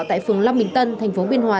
tại phường lâm bình tân thành phố biên hòa